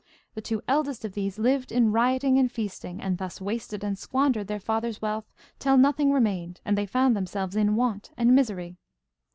The two eldest of these lived in rioting and feasting, and thus wasted and squandered their father's wealth till nothing remained, and they found themselves in want and misery.